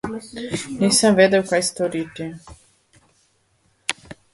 Nisem vedel, kaj storiti.